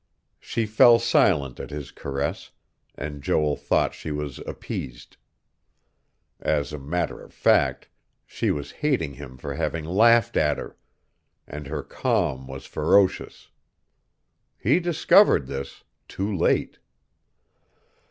She fell silent at his caress; and Joel thought she was appeased. As a matter of fact, she was hating him for having laughed at her; and her calm was ferocious. He discovered this, too late....